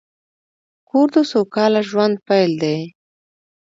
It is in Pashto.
کور د سوکاله ژوند پیل دی.